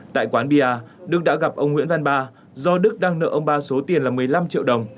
tại quán bia đức đã gặp ông nguyễn văn ba do đức đang nợ ông ba số tiền là một mươi năm triệu đồng